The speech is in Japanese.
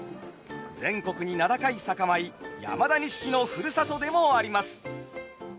全国に名高い酒米山田錦のふるさとでもあります。